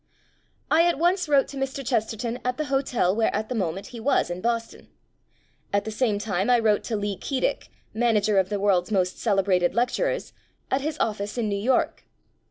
I at once wrote to Mr. Chesterton at the hotel where at the moment he was in Boston. At the same time I wrote to Lee Keedick ("Manager of the World's Most Celebrated Lecturers") at his office in New York.